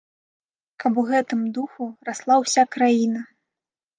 Каб у гэтым духу расла ўся краіна.